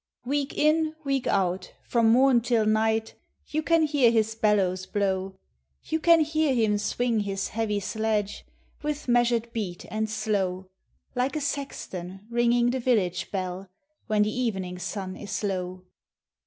Week in, week out, from morn till night, Yen can hear his bellows blow; Digitized by OooqIc THE HOME. 329 You can hear him swing his heavy sledge, With measured beat and slow, Like a sexton ringing the village bell, When the evening sun is low.